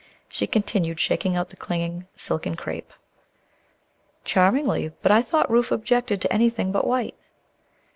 She continued, shaking out the clinging silken crepe. "Charmingly; but I thought Ruth objected to anything but white."